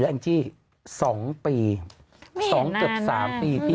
ไม่เห็นแล้วไม่น่า